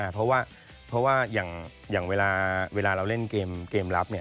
เพราะว่าอย่างเวลาเราเล่นเกมรับ